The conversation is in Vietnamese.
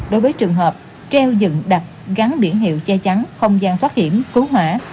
đối với trường hợp treo dựng đặt gắn biển hiệu che chắn không gian thoát hiểm cứu hỏa